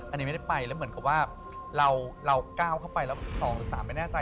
อันนี้ไม่ได้ไปแล้วเหมือนกับว่าเราก้าวเข้าไปแล้ว๒๓ไม่แน่ใจ